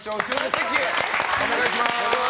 席へお願いします。